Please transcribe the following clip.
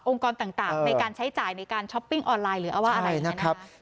องค์กรต่างในการใช้จ่ายในการช้อปปิ้งออนไลน์หรืออะไร